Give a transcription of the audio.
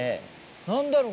何だろう？